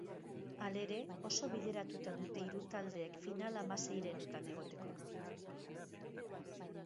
Halere, oso bideratuta dute hiru taldeek final-hamaseirenetan egoteko.